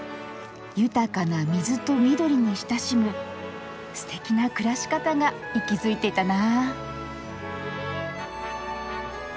豊かな水と緑に親しむすてきな暮らし方が息づいてたな。